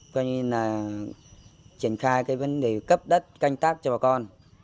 coi như là triển khai cái vấn đề cấp đất canh tác cho bà con